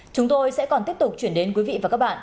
chúng tôi sẽ còn tiếp tục chuyển đến quý vị và các bạn